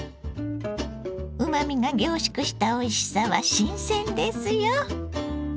うまみが凝縮したおいしさは新鮮ですよ。